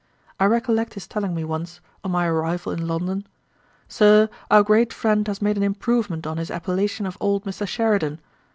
I recollect his telling me once, on my arrival in London, 'Sir, our great friend has made an improvement on his appellation of old Mr. Sheridan.